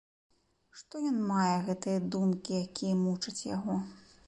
Што ён мае гэтыя думкі, якія мучаць яго?